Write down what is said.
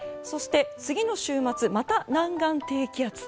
そして、次の週末また南岸低気圧。